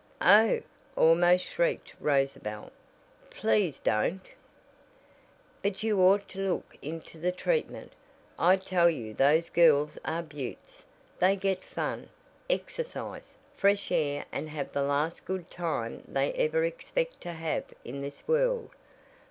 "Oh," almost shrieked Rosabel, "Please don't!" "But you ought to look into the treatment. I tell you those girls are beauts. They get fun, exercise, fresh air and have the last good time they ever expect to have in this world.